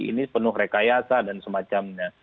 ini penuh rekayasa dan semacamnya